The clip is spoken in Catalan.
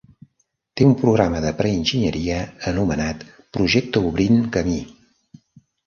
Té un programa de pre-enginyeria anomenat "Projecte obrint camí".